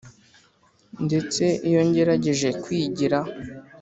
ndetse iyo ngerageje kwigira,